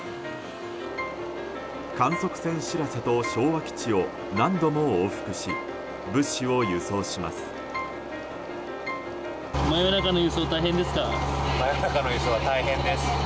観測船「しらせ」と昭和基地を何度も往復し物資を輸送します。